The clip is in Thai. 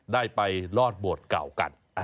ได้ไปลอดโบสถ์เก่ากัน